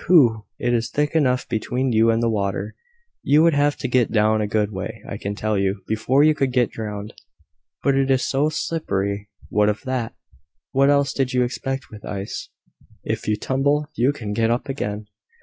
"Pooh! It is thick enough between you and the water. You would have to get down a good way, I can tell you, before you could get drowned." "But it is so slippery!" "What of that? What else did you expect with ice? If you tumble, you can get up again.